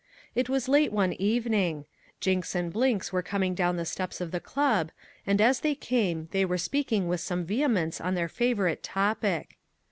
It was late one evening. Jinks and Blinks were coming down the steps of the club, and as they came they were speaking with some vehemence on their favourite topic.